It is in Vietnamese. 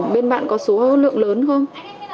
bên bạn có số lượng lớn không